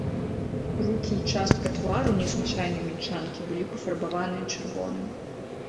Рукі і частка твару незвычайнай мінчанкі былі пафарбаваныя чырвоным.